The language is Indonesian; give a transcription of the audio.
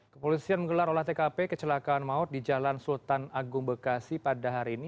kepolisian menggelar olah tkp kecelakaan maut di jalan sultan agung bekasi pada hari ini